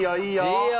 いいよ！